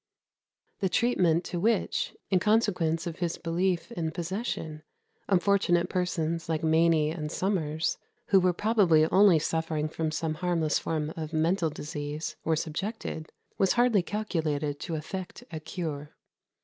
The treatment to which, in consequence of his belief in possession, unfortunate persons like Mainy and Sommers, who were probably only suffering from some harmless form of mental disease, were subjected, was hardly calculated to effect a cure.